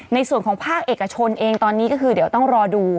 ในส่วนของภาคเอกชนเองตอนนี้ก็คือเดี๋ยวต้องรอดู